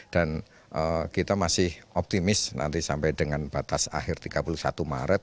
kita masih optimis nanti sampai dengan batas akhir tiga puluh satu maret